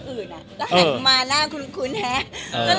ถึงที่หันมาน่ากลุ่มคุ้นแฮะ